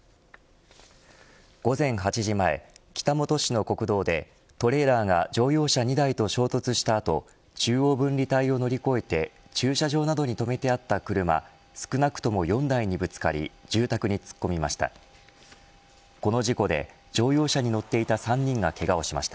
午前８時前北本市の国道でトレーラーが乗用車２台と衝突した後中央分離帯を乗り越えて駐車場などに停めてあった車少なくとも４台にぶつかり住宅に突っ込みました。